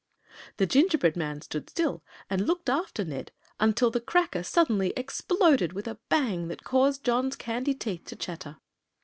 The gingerbread man stood still and looked after Ned until the cracker suddenly exploded with a bang that caused John's candy teeth to chatter.